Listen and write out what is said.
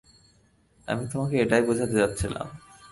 আমি তোমাকে এটাই বুঝাতে চাচ্ছিলাম।